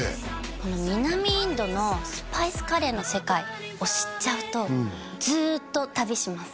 この南インドのスパイスカレーの世界を知っちゃうとずっと旅します